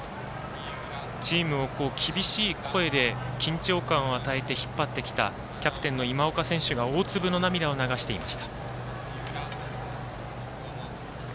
チームを厳しい声で緊張感を与えて引っ張ってきたキャプテンの今岡選手が大粒の涙を流していました。